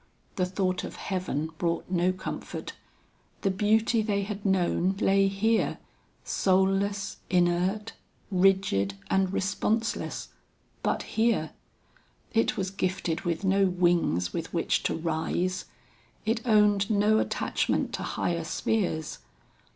The thought of heaven brought no comfort. The beauty they had known lay here; soulless, inert, rigid and responseless, but here. It was gifted with no wings with which to rise. It owned no attachment to higher spheres.